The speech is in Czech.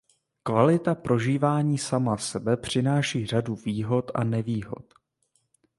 Kvalita prožívání sama sebe přináší řadu výhod a nevýhod.